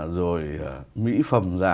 rồi mỹ phẩm